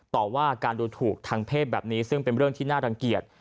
ต่อว่าการดูถูกทางเพศแบบนี้ซึ่งเป็นเรื่องที่น่ารังเกียจ